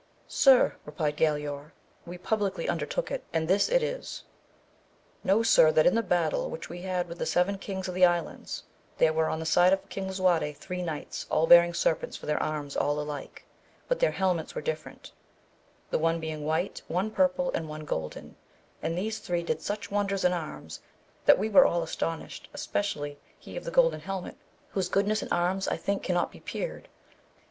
Sir, replied Galaor, we publicly un dertook it, and this it is. Kjiow sir that in the battle which we had with the seven kings of the islands, there were on the side of King Lisuarte three knights, all bearing serpents for their arms all alike, but their helmets were different, the one being white, one purple, and one golden, and these three did such wonders in arms that we were all astonished, especially he of the golden helmet, whose goodness in arms I think cannot be peered.